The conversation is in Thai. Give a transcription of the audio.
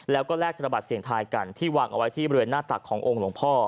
แล้วก็แลกธนบัตรเสียงทายกันที่วางเอาไว้ที่บริเวณหน้าตักขององค์หลวงพ่อ